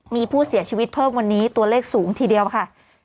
มีผู้เสียชีวิตเพิ่มวันนี้ตัวเลขสูงทีเดียวค่ะ